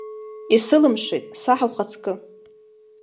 Исылымшеит, саҳ ухаҵкы?